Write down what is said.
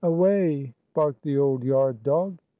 Away!" barked the old yard dog.